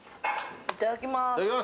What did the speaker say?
いただきます。